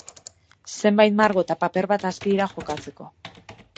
Zenbait margo eta paper bat aski dira jokatzeko.